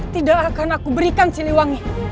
tidak akan aku berikan cili wangi